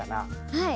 はい。